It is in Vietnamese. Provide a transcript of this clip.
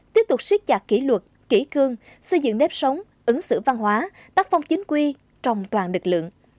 tiếp tục siết chặt kỹ luật kỹ cương xây dựng nếp sống ứng xử văn hóa tác phong chính quy trồng toàn lực lượng